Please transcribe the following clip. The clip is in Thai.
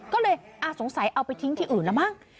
ก็เลยสงสัยเอาไปทิ้งที่อื่นแล้วมั้ง